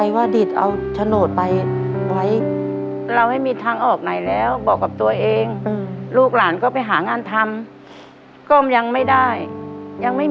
แล้วทำไมถึงได้ตัดสินใจว่า